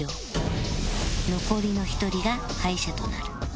残りの１人が敗者となる